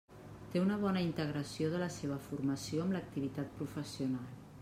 Té una bona integració de la seva formació amb l'activitat professional.